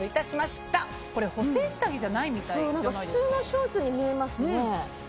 そう普通のショーツに見えますね。